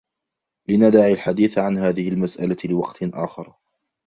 لندع الحديث عن هذه المسألة لوقت آخر.